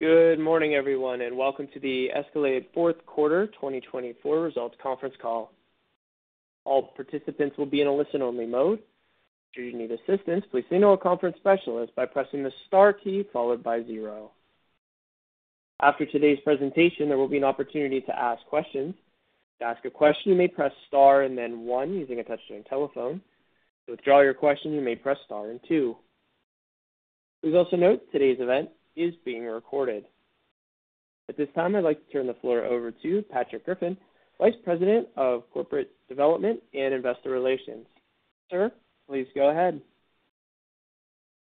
Good morning, everyone, and welcome to the Escalade fourth quarter 2024 results conference call. All participants will be in a listen-only mode. Should you need assistance, please signal a conference specialist by pressing the star key followed by zero. After today's presentation, there will be an opportunity to ask questions. To ask a question, you may press star and then one using a touchscreen telephone. To withdraw your question, you may press star and two. Please also note today's event is being recorded. At this time, I'd like to turn the floor over to Patrick Griffin, Vice President of Corporate Development and Investor Relations. Sir, please go ahead.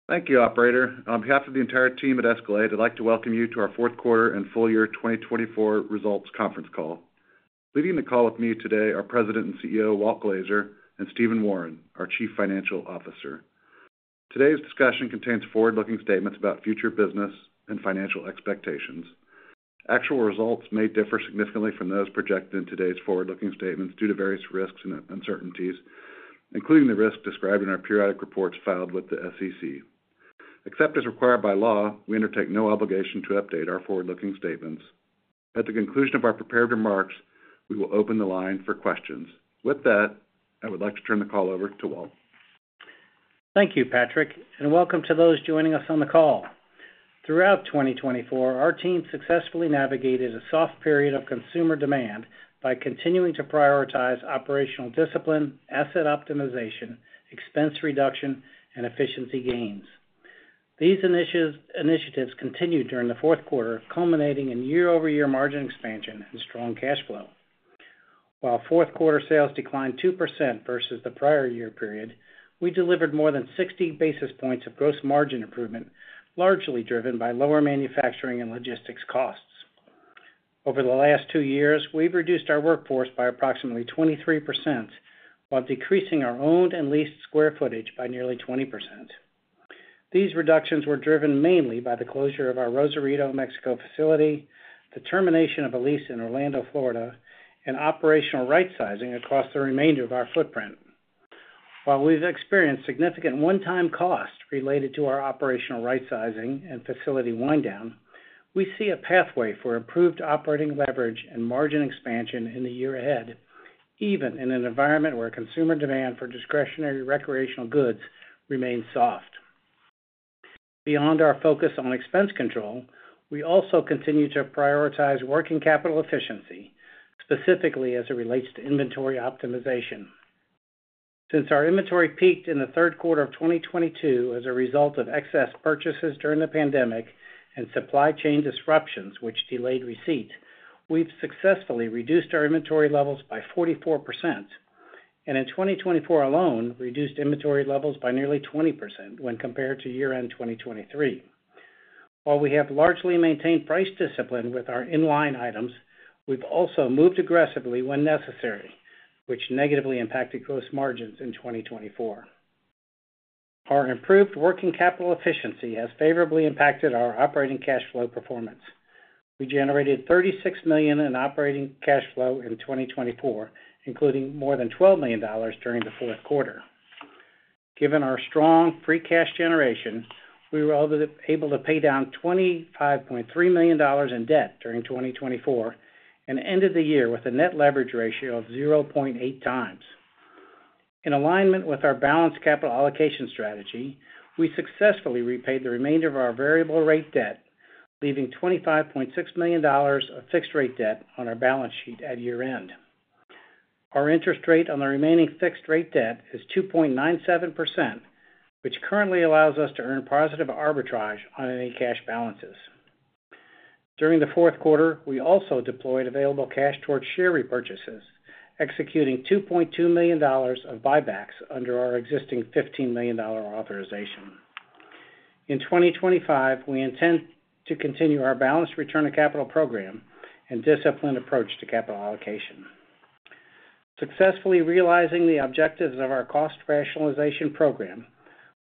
Thank you, Operator. On behalf of the entire team at Escalade, I'd like to welcome you to our fourth quarter and full year 2024 results conference call. Leading the call with me today are President and CEO Walt Glazer and Stephen Wawrin, our Chief Financial Officer. Today's discussion contains forward-looking statements about future business and financial expectations. Actual results may differ significantly from those projected in today's forward-looking statements due to various risks and uncertainties, including the risk described in our periodic reports filed with the SEC. Except as required by law, we undertake no obligation to update our forward-looking statements. At the conclusion of our prepared remarks, we will open the line for questions. With that, I would like to turn the call over to Walt. Thank you, Patrick, and welcome to those joining us on the call. Throughout 2024, our team successfully navigated a soft period of consumer demand by continuing to prioritize operational discipline, asset optimization, expense reduction, and efficiency gains. These initiatives continued during the fourth quarter, culminating in year-over-year margin expansion and strong cash flow. While fourth quarter sales declined 2% versus the prior year period, we delivered more than 60 basis points of gross margin improvement, largely driven by lower manufacturing and logistics costs. Over the last two years, we've reduced our workforce by approximately 23% while decreasing our owned and leased square footage by nearly 20%. These reductions were driven mainly by the closure of our Rosarito, Mexico facility, the termination of a lease in Orlando, Florida, and operational rightsizing across the remainder of our footprint. While we've experienced significant one-time costs related to our operational rightsizing and facility wind down, we see a pathway for improved operating leverage and margin expansion in the year ahead, even in an environment where consumer demand for discretionary recreational goods remains soft. Beyond our focus on expense control, we also continue to prioritize working capital efficiency, specifically as it relates to inventory optimization. Since our inventory peaked in the third quarter of 2022 as a result of excess purchases during the pandemic and supply chain disruptions, which delayed receipts, we've successfully reduced our inventory levels by 44%, and in 2024 alone, reduced inventory levels by nearly 20% when compared to year-end 2023. While we have largely maintained price discipline with our inline items, we've also moved aggressively when necessary, which negatively impacted gross margins in 2024. Our improved working capital efficiency has favorably impacted our operating cash flow performance. We generated $36 million in operating cash flow in 2024, including more than $12 million during the fourth quarter. Given our strong free cash generation, we were able to pay down $25.3 million in debt during 2024 and ended the year with a net leverage ratio of 0.8x. In alignment with our balanced capital allocation strategy, we successfully repaid the remainder of our variable rate debt, leaving $25.6 million of fixed rate debt on our balance sheet at year-end. Our interest rate on the remaining fixed rate debt is 2.97%, which currently allows us to earn positive arbitrage on any cash balances. During the fourth quarter, we also deployed available cash towards share repurchases, executing $2.2 million of buybacks under our existing $15 million authorization. In 2025, we intend to continue our balanced return to capital program and discipline approach to capital allocation. Successfully realizing the objectives of our cost rationalization program,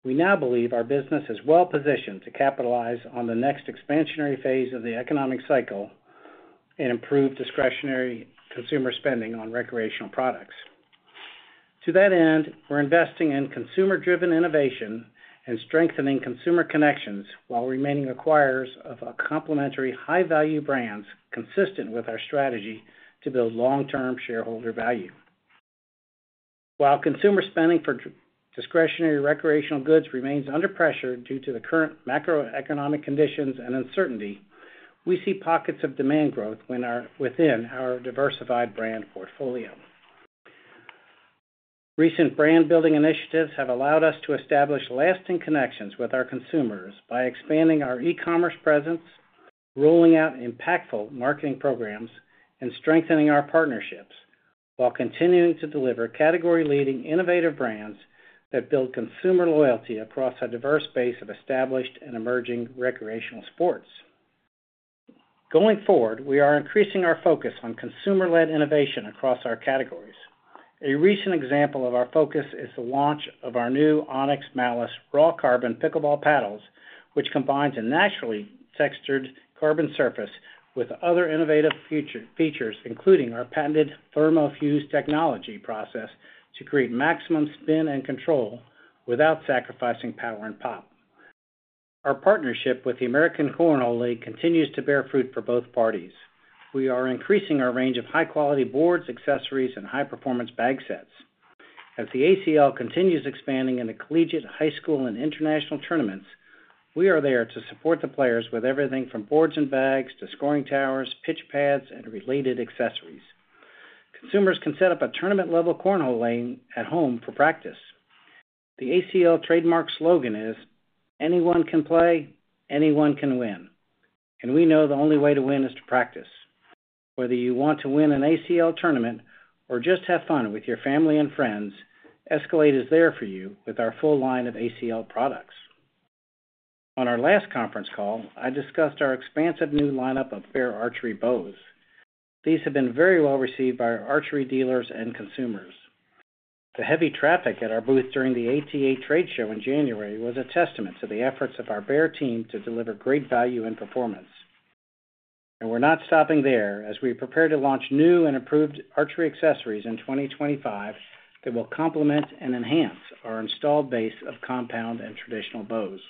we now believe our business is well positioned to capitalize on the next expansionary phase of the economic cycle and improve discretionary consumer spending on recreational products. To that end, we're investing in consumer-driven innovation and strengthening consumer connections while remaining acquirers of complementary high-value brands consistent with our strategy to build long-term shareholder value. While consumer spending for discretionary recreational goods remains under pressure due to the current macroeconomic conditions and uncertainty, we see pockets of demand growth within our diversified brand portfolio. Recent brand-building initiatives have allowed us to establish lasting connections with our consumers by expanding our e-commerce presence, rolling out impactful marketing programs, and strengthening our partnerships while continuing to deliver category-leading innovative brands that build consumer loyalty across a diverse base of established and emerging recreational sports. Going forward, we are increasing our focus on consumer-led innovation across our categories. A recent example of our focus is the launch of our new Onix Malice raw carbon pickleball paddles, which combines a naturally textured carbon surface with other innovative features, including our patented ThermoFuse technology process to create maximum spin and control without sacrificing power and pop. Our partnership with the American Cornhole League continues to bear fruit for both parties. We are increasing our range of high-quality boards, accessories, and high-performance bag sets. As the ACL continues expanding in the collegiate, high school, and international tournaments, we are there to support the players with everything from boards and bags to scoring towers, pitch pads, and related accessories. Consumers can set up a tournament-level cornhole lane at home for practice. The ACL trademark slogan is, "Anyone can play, anyone can win." We know the only way to win is to practice. Whether you want to win an ACL tournament or just have fun with your family and friends, Escalade is there for you with our full line of ACL products. On our last conference call, I discussed our expansive new lineup of Bear Archery bows. These have been very well received by our archery dealers and consumers. The heavy traffic at our booth during the ATA Trade Show in January was a testament to the efforts of our Bear team to deliver great value and performance. We are not stopping there as we prepare to launch new and improved archery accessories in 2025 that will complement and enhance our installed base of compound and traditional bows.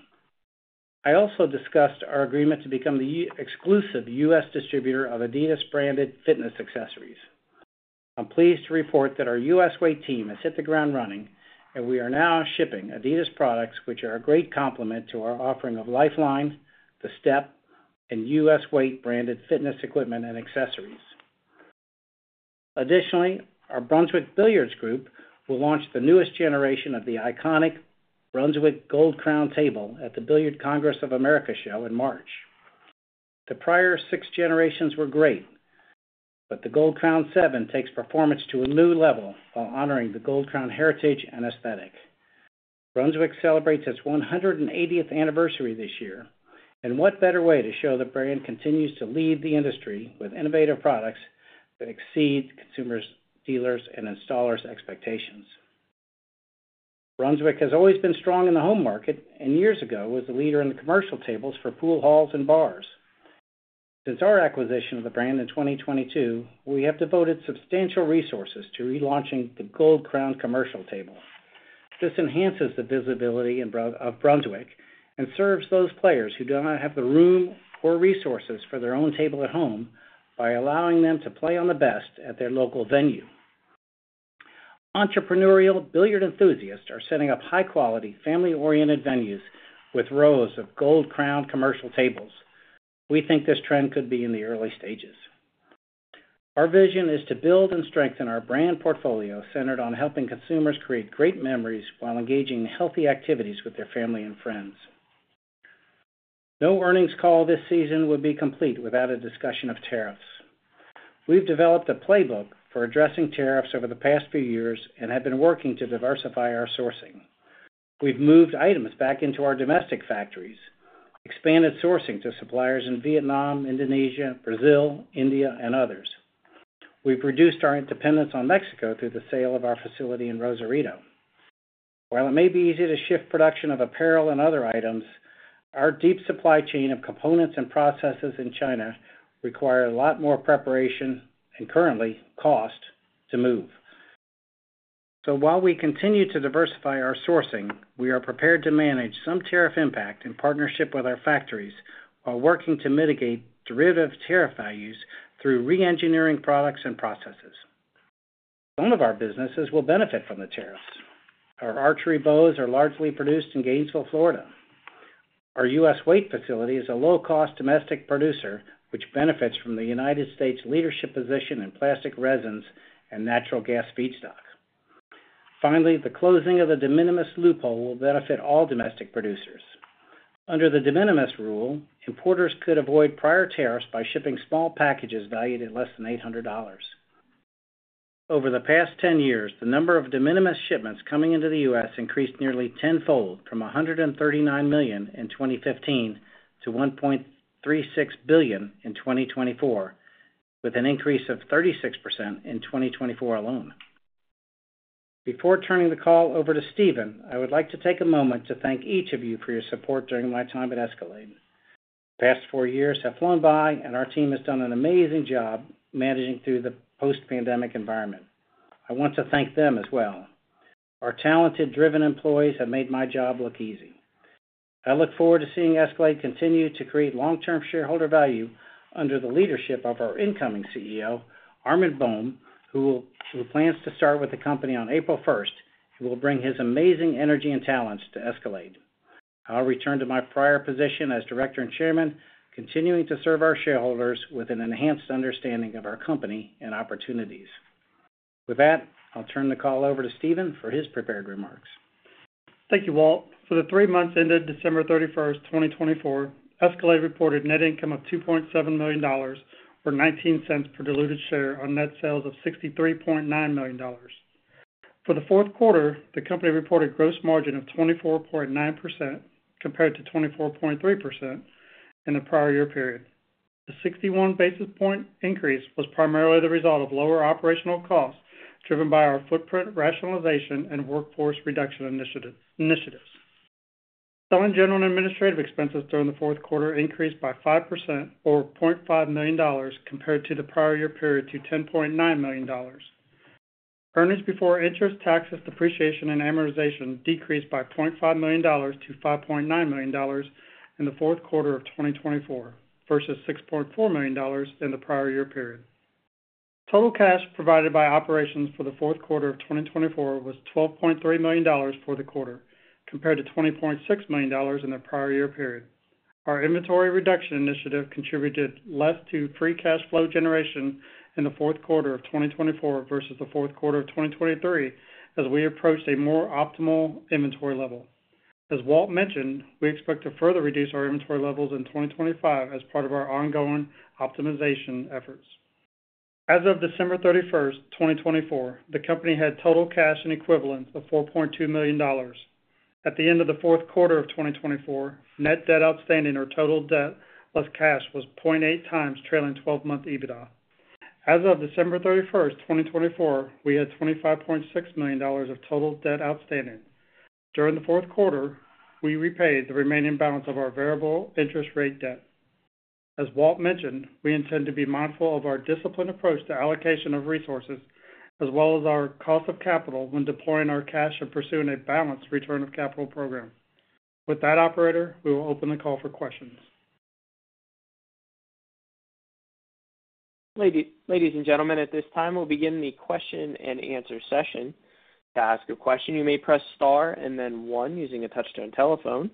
I also discussed our agreement to become the exclusive U.S. distributor of Adidas-branded fitness accessories. I'm pleased to report that our U.S. Weight team has hit the ground running, and we are now shipping Adidas products, which are a great complement to our offering of Lifeline, The Step, and U.S. Weight-branded fitness equipment and accessories. Additionally, our Brunswick Billiards Group will launch the newest generation of the iconic Brunswick Gold Crown table at the Billiard Congress of America show in March. The prior six generations were great, but the Gold Crown VII takes performance to a new level while honoring the Gold Crown heritage and aesthetic. Brunswick celebrates its 180th anniversary this year, and what better way to show the brand continues to lead the industry with innovative products that exceed consumers, dealers, and installers' expectations. Brunswick has always been strong in the home market, and years ago was the leader in the commercial tables for pool halls and bars. Since our acquisition of the brand in 2022, we have devoted substantial resources to relaunching the Gold Crown commercial table. This enhances the visibility of Brunswick and serves those players who do not have the room or resources for their own table at home by allowing them to play on the best at their local venue. Entrepreneurial billiard enthusiasts are setting up high-quality, family-oriented venues with rows of Gold Crown commercial tables. We think this trend could be in the early stages. Our vision is to build and strengthen our brand portfolio centered on helping consumers create great memories while engaging in healthy activities with their family and friends. No earnings call this season would be complete without a discussion of tariffs. We've developed a playbook for addressing tariffs over the past few years and have been working to diversify our sourcing. We've moved items back into our domestic factories, expanded sourcing to suppliers in Vietnam, Indonesia, Brazil, India, and others. We've reduced our dependence on Mexico through the sale of our facility in Rosarito. While it may be easy to shift production of apparel and other items, our deep supply chain of components and processes in China requires a lot more preparation and currently cost to move. While we continue to diversify our sourcing, we are prepared to manage some tariff impact in partnership with our factories while working to mitigate derivative tariff values through re-engineering products and processes. One of our businesses will benefit from the tariffs. Our archery bows are largely produced in Gainesville, Florida. Our U.S. Weight facility is a low-cost domestic producer, which benefits from the United States' leadership position in plastic resins and natural gas feedstock. Finally, the closing of the de minimis loophole will benefit all domestic producers. Under the de minimis rule, importers could avoid prior tariffs by shipping small packages valued at less than $800. Over the past 10 years, the number of de minimis shipments coming into the U.S. increased nearly tenfold from $1.39 million in 2015 to $1.36 billion in 2024, with an increase of 36% in 2024 alone. Before turning the call over to Stephen, I would like to take a moment to thank each of you for your support during my time at Escalade. The past four years have flown by, and our team has done an amazing job managing through the post-pandemic environment. I want to thank them as well. Our talented, driven employees have made my job look easy. I look forward to seeing Escalade continue to create long-term shareholder value under the leadership of our incoming CEO, Armin Boehm, who plans to start with the company on April 1 and will bring his amazing energy and talents to Escalade. I'll return to my prior position as Director and Chairman, continuing to serve our shareholders with an enhanced understanding of our company and opportunities. With that, I'll turn the call over to Stephen for his prepared remarks. Thank you, Walt. For the three months ended December 31, 2024, Escalade reported net income of $2.7 million or $0.19 per diluted share on net sales of $63.9 million. For the fourth quarter, the company reported gross margin of 24.9% compared to 24.3% in the prior year period. The 61 basis point increase was primarily the result of lower operational costs driven by our footprint rationalization and workforce reduction initiatives. Selling, general and administrative expenses during the fourth quarter increased by 5% or $0.5 million compared to the prior year period to $10.9 million. Earnings before interest, taxes, depreciation, and amortization decreased by $0.5 million to $5.9 million in the fourth quarter of 2024 versus $6.4 million in the prior year period. Total cash provided by operations for the fourth quarter of 2024 was $12.3 million for the quarter compared to $20.6 million in the prior year period. Our inventory reduction initiative contributed less to free cash flow generation in the fourth quarter of 2024 versus the fourth quarter of 2023 as we approached a more optimal inventory level. As Walt mentioned, we expect to further reduce our inventory levels in 2025 as part of our ongoing optimization efforts. As of December 31, 2024, the company had total cash and equivalents of $4.2 million. At the end of the fourth quarter of 2024, net debt outstanding or total debt plus cash was 0.8x trailing 12-month EBITDA. As of December 31, 2024, we had $25.6 million of total debt outstanding. During the fourth quarter, we repaid the remaining balance of our variable interest rate debt. As Walt mentioned, we intend to be mindful of our disciplined approach to allocation of resources as well as our cost of capital when deploying our cash and pursuing a balanced return of capital program. With that, Operator, we will open the call for questions. Ladies and gentlemen, at this time, we'll begin the question and answer session. To ask a question, you may press star and then one using a touch-tone telephone.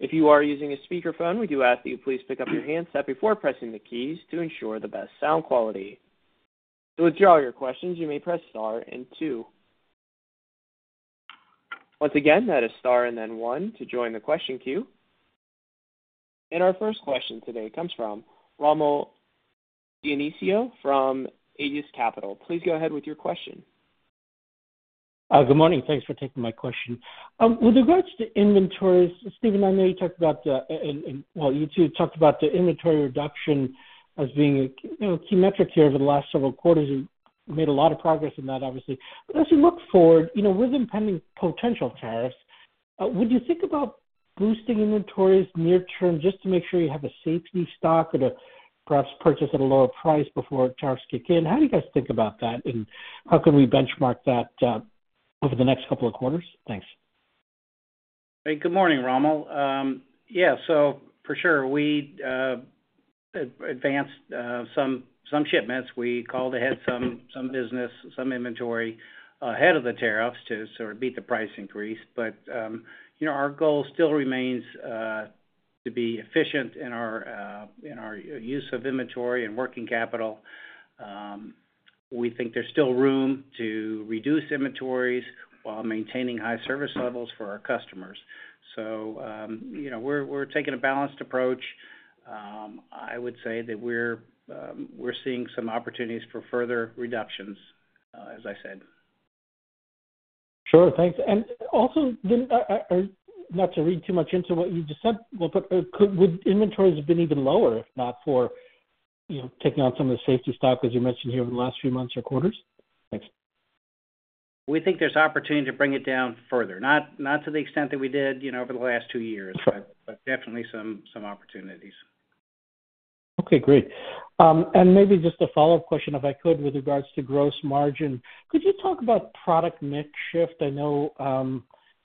If you are using a speakerphone, we do ask that you please pick up your handset before pressing the keys to ensure the best sound quality. To withdraw your questions, you may press star and two. Once again, that is star and then one to join the question queue. Our first question today comes from Rommel Dionisio from Aegis Capital. Please go ahead with your question. Good morning. Thanks for taking my question. With regards to inventories, Stephen, I know you talked about, you two talked about the inventory reduction as being a key metric here over the last several quarters. You made a lot of progress in that, obviously. As we look forward, with impending potential tariffs, would you think about boosting inventories near term just to make sure you have a safety stock or to perhaps purchase at a lower price before tariffs kick in? How do you guys think about that, and how can we benchmark that over the next couple of quarters? Thanks. Hey, good morning, Rommel. Yeah, for sure, we advanced some shipments. We called ahead some business, some inventory ahead of the tariffs to sort of beat the price increase. Our goal still remains to be efficient in our use of inventory and working capital. We think there's still room to reduce inventories while maintaining high service levels for our customers. We're taking a balanced approach. I would say that we're seeing some opportunities for further reductions, as I said. Sure. Thanks. Also, not to read too much into what you just said, would inventories have been even lower if not for taking on some of the safety stock, as you mentioned here, over the last few months or quarters? Thanks. We think there's opportunity to bring it down further, not to the extent that we did over the last two years, but definitely some opportunities. Okay, great. Maybe just a follow-up question, if I could, with regards to gross margin. Could you talk about product mix shift? I know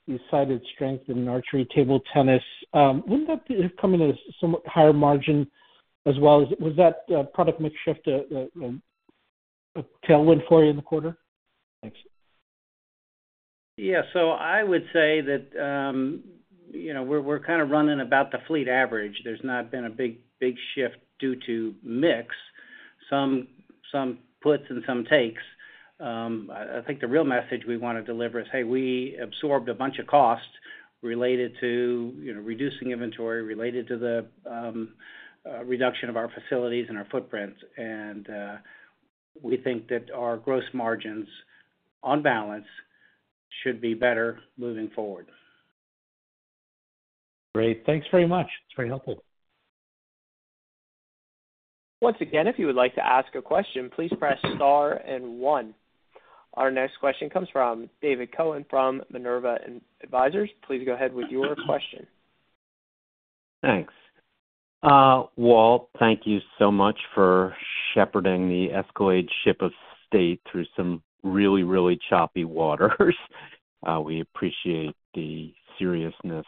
you cited strength in archery, table tennis. Wouldn't that have come in as somewhat higher margin as well? Was that product mix shift a tailwind for you in the quarter? Thanks. Yeah. I would say that we're kind of running about the fleet average. There's not been a big shift due to mix, some puts and some takes. I think the real message we want to deliver is, hey, we absorbed a bunch of costs related to reducing inventory, related to the reduction of our facilities and our footprint. We think that our gross margins on balance should be better moving forward. Great. Thanks very much. It's very helpful. Once again, if you would like to ask a question, please press star and one. Our next question comes from David Cohen from Minerva Advisors. Please go ahead with your question. Thanks. Walt, thank you so much for shepherding the Escalade ship of state through some really, really choppy waters. We appreciate the seriousness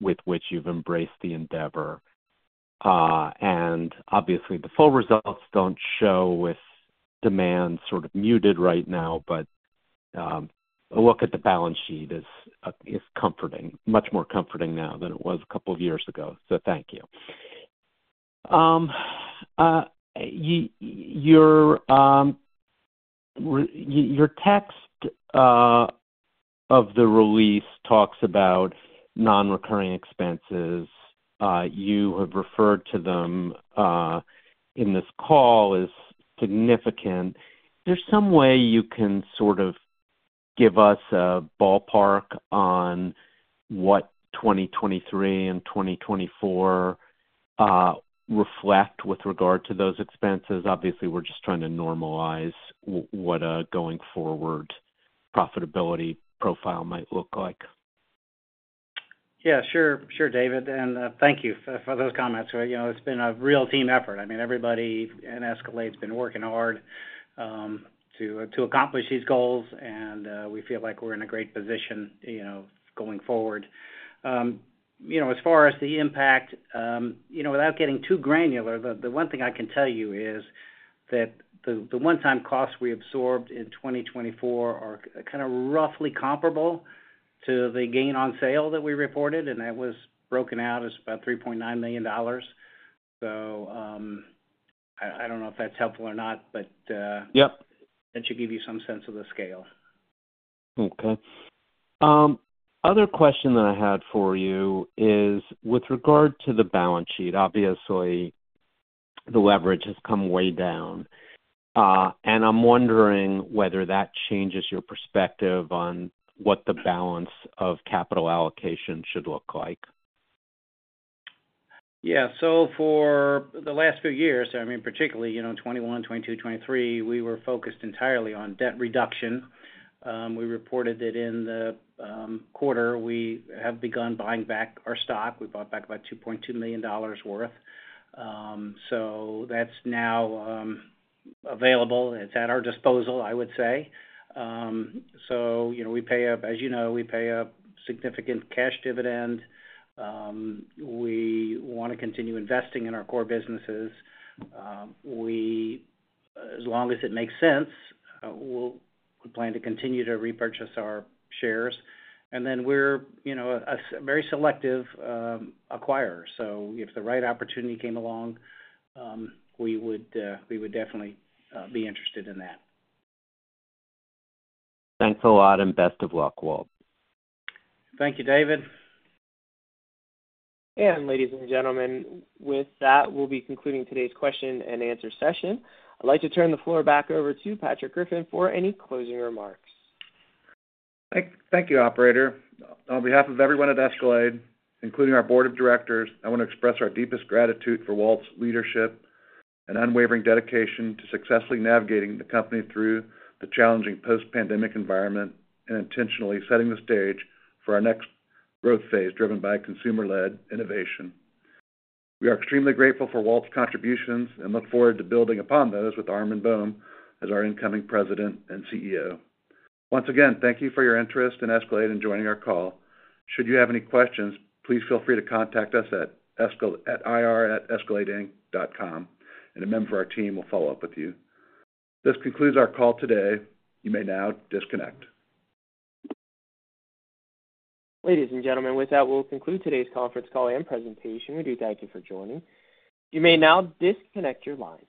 with which you've embraced the endeavor. Obviously, the full results don't show with demand sort of muted right now, but a look at the balance sheet is comforting, much more comforting now than it was a couple of years ago. Thank you. Your text of the release talks about non-recurring expenses. You have referred to them in this call as significant. Is there some way you can sort of give us a ballpark on what 2023 and 2024 reflect with regard to those expenses? Obviously, we're just trying to normalize what a going-forward profitability profile might look like. Yeah, sure. Sure, David. Thank you for those comments. It's been a real team effort. I mean, everybody in Escalade has been working hard to accomplish these goals, and we feel like we're in a great position going forward. As far as the impact, without getting too granular, the one thing I can tell you is that the one-time costs we absorbed in 2024 are kind of roughly comparable to the gain on sale that we reported, and that was broken out as about $3.9 million. I don't know if that's helpful or not, but that should give you some sense of the scale. Okay. Other question that I had for you is with regard to the balance sheet, obviously, the leverage has come way down. I am wondering whether that changes your perspective on what the balance of capital allocation should look like. Yeah. For the last few years, I mean, particularly 2021, 2022, 2023, we were focused entirely on debt reduction. We reported that in the quarter, we have begun buying back our stock. We bought back about $2.2 million worth. That is now available. It is at our disposal, I would say. We pay up, as you know, we pay a significant cash dividend. We want to continue investing in our core businesses. As long as it makes sense, we plan to continue to repurchase our shares. We are a very selective acquirer. If the right opportunity came along, we would definitely be interested in that. Thanks a lot and best of luck, Walt. Thank you, David. Ladies and gentlemen, with that, we'll be concluding today's question and answer session. I'd like to turn the floor back over to Patrick Griffin for any closing remarks. Thank you, Operator. On behalf of everyone at Escalade, including our board of directors, I want to express our deepest gratitude for Walt's leadership and unwavering dedication to successfully navigating the company through the challenging post-pandemic environment and intentionally setting the stage for our next growth phase driven by consumer-led innovation. We are extremely grateful for Walt's contributions and look forward to building upon those with Armin Boehm as our incoming President and CEO. Once again, thank you for your interest in Escalade and joining our call. Should you have any questions, please feel free to contact us at ir@escalade.com, and a member of our team will follow up with you. This concludes our call today. You may now disconnect. Ladies and gentlemen, with that, we'll conclude today's conference call and presentation. We do thank you for joining. You may now disconnect your line.